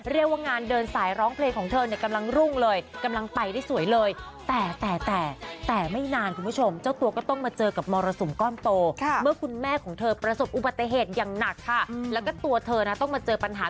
เรียกว่างานเดินสายร้องเพลงของเธอกำลังรุ่งเลย